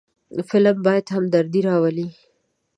فلم باید همدردي راولي